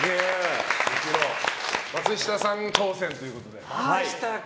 松下さんが挑戦ということで。